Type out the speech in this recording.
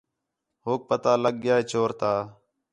ہوک پتہ لڳ ڳیا ہے چور تا